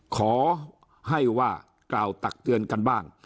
ขอให้ว่ากล่าวตักเตือนกันบ้าง